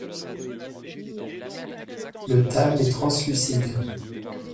Le thalle est translucide.